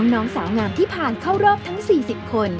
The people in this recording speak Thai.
น้องสาวงามที่ผ่านเข้ารอบทั้ง๔๐คน